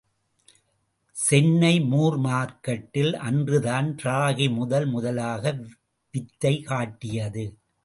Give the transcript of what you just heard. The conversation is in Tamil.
சென்னை மூர் மார்க்கெட்டில் அன்றுதான் ராகி முதல் முதலாக வித்தை காட்டியது.